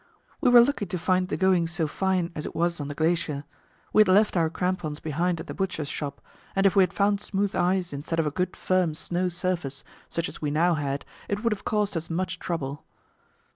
We were lucky to find the going so fine as it was on the glacier; we had left our crampons behind at the Butcher's Shop, and if we had found smooth ice, instead of a good, firm snow surface, such as we now had, it would have caused us much trouble.